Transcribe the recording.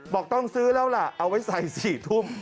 บอกต้องซื้อแล้วล่ะเอาไว้ใส่จากสี่ทุ่ม